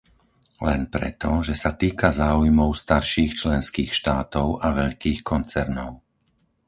Len preto, že sa týka záujmov starších členských štátov a veľkých koncernov.